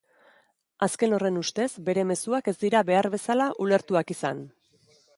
Azken horren ustez, bere mezuak ez dira behar bezala ulertuak izan.